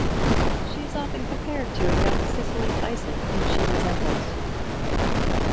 She is often compared to a young Cicely Tyson, whom she resembles.